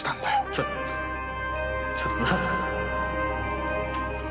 ちょっとちょっとなんすか？